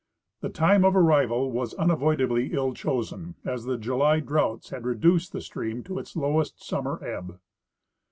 The time of arrival was un avoidably ill chosen, as the July droughts had reduced the stream to its lowest summer ebb.